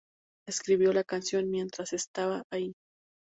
Escribió la canción mientras estaba ahí.